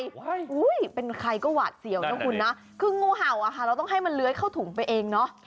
อุ้ยเป็นใครก็หวาดเสียวนะคุณนะคืองูเห่าอ่ะค่ะเราต้องให้มันเลื้อยเข้าถุงไปเองเนอะ